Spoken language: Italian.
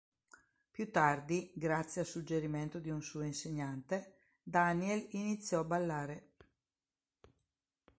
Più tardi, grazie al suggerimento di un suo insegnante, Daniel iniziò a ballare.